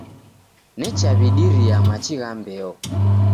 Nechaw'idiria machi gha mbeo.